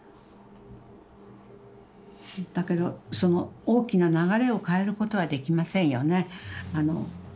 だけどその大きな流れを変えることはできませんよね。